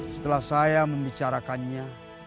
setelah saya membicarakannya